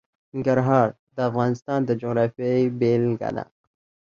ننګرهار د افغانستان د جغرافیې بېلګه ده.